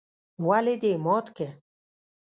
ولې دي مات که؟؟